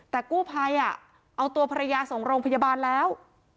แต่กู้ภัยเอาตัวภรรยาส่งโรงพยาบาลแล้ว